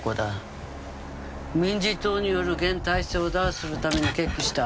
民自党による現体制を打破するために決起した。